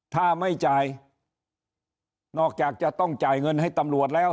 ถ้าไม่จ่ายนอกจากจะต้องจ่ายเงินให้ตำรวจแล้ว